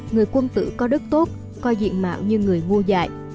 người quân tử có đức tốt coi diện mạo như người ngu dại